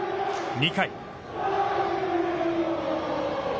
２回。